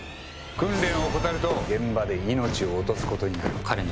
訓練を怠ると現場で命を落とすことになる。